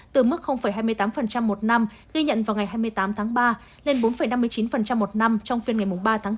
từ mức hai mươi tám một năm ghi nhận vào ngày hai mươi tám tháng ba lên bốn năm mươi chín một năm trong phiên ngày ba tháng bốn